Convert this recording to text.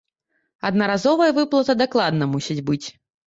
Аднаразовая выплата дакладна мусіць быць.